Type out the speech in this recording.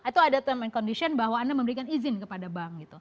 itu ada term and condition bahwa anda memberikan izin kepada bank gitu